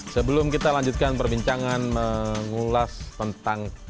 sebelum kita lanjutkan perbincangan mengulas tentang